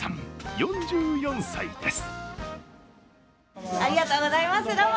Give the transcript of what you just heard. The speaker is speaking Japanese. ４４歳です。